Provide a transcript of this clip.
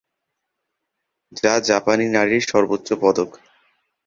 যা জাপানী নারীর সর্বোচ্চ পদক।